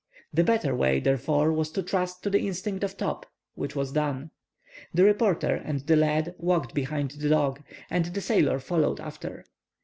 The better way, therefore, was to trust to the instinct of Top; which was done. The reporter and the lad walked behind the dog, and the sailor followed after.